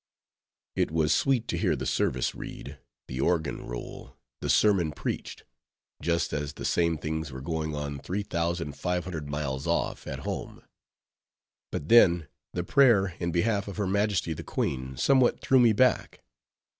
It was sweet to hear the service read, the organ roll, the sermon preached—just as the same things were going on three thousand five hundred miles off, at home! But then, the prayer in behalf of her majesty the Queen, somewhat threw me back.